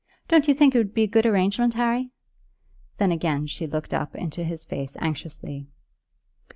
Don't you think it would be a good arrangement, Harry?" Then again she looked up into his face anxiously.